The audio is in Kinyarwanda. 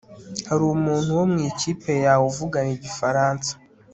Hari umuntu wo mu ikipe yawe uvuga igifaransa